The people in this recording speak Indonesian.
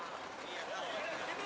pengk ke covering jakarta